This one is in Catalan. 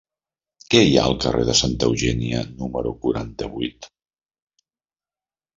Què hi ha al carrer de Santa Eugènia número quaranta-vuit?